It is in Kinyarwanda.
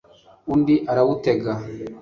undi arawutega